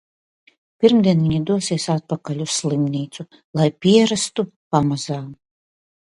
Pirmdien viņa dosies atpakaļ uz slimnīcu, lai pierastu pamazām!